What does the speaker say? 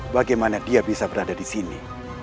bagaimana dia bisa berada di sini